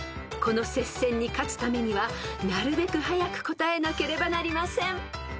［この接戦に勝つためにはなるべく早く答えなければなりません］